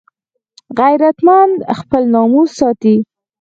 غیرتمند خپل ناموس ساتي